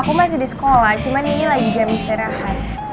aku masih di sekolah cuman ini lagi jam istirahat